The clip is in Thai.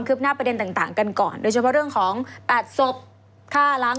คุณชุวิทย์ตีแสงหน้ากัน